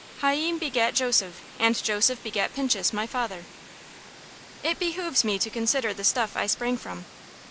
Hayyim begat Joseph, and Joseph begat Pinchus, my father. It behooves me to consider the stuff I sprang from.